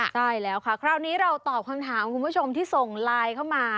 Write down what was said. ใช่แล้วค่ะคราวนี้เราตอบคำถามคุณผู้ชมที่ส่งไลน์เข้ามา